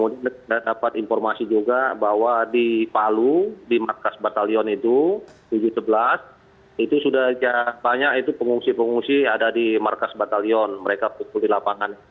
jadi kita dapat informasi juga bahwa di palu di markas batalion itu tujuh belas sebelas itu sudah banyak itu pengungsi pengungsi ada di markas batalion mereka pukuli lapangan